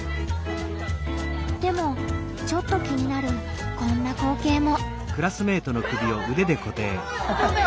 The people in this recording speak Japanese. でもちょっと気になるこんな光けいも。